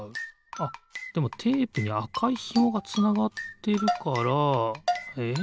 あっでもテープにあかいひもがつながってるからえっ？